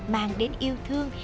mang đến yêu thương